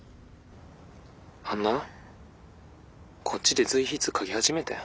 あんなこっちで随筆書き始めてん。